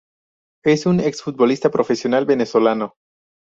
Es un ex-futbolista profesional venezolano.